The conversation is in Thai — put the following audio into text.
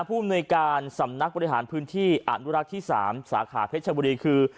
ภูมิหน่วยการสำนักบริหารพื้นที่อนุรักษ์ที่๓สาขาเพชรชบุรีคือ